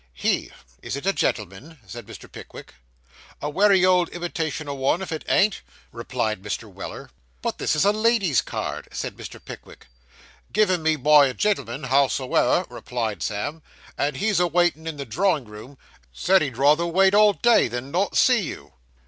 'He. Is it a gentleman?' said Mr. Pickwick. 'A wery good imitation o' one, if it ain't,' replied Mr. Weller. 'But this is a lady's card,' said Mr. Pickwick. 'Given me by a gen'l'm'n, howsoever,' replied Sam, 'and he's a waitin' in the drawing room said he'd rather wait all day, than not see you.